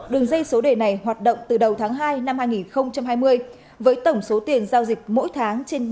đường dây số đề này hoạt động từ đầu tháng hai năm hai nghìn hai mươi với tổng số tiền giao dịch mỗi tháng trên